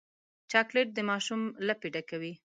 چاکلېټ د ماشوم لپې ډکوي.